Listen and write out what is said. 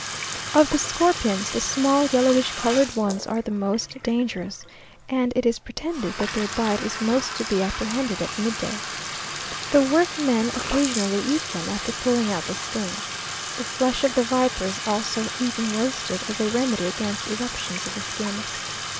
Of the scorpions, the small yellowish coloured ones are the most dangerous, and it is pretended that their bite is most to be apprehended at midday. The workmen occasionally eat them, after pulling out the sting. The flesh of the viper is also eaten roasted, as a remedy against eruptions of the skin.